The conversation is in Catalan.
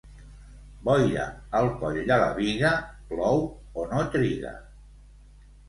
Boira al coll de la Biga, plou, o no triga.